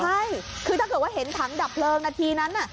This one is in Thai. ใช่คือถ้าเกิดว่าเห็นถังดับเพลิงนาทีนั้น